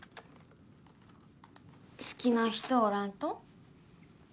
好きな人おらんと？